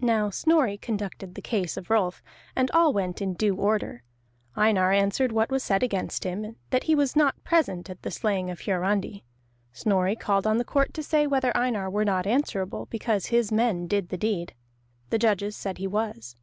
Now Snorri conducted the case of Rolf, and all went in due order. Einar answered what was said against him, that he was not present at the slaying of Hiarandi. Snorri called on the court to say whether Einar were not answerable, because his men did the deed. The judges said he was.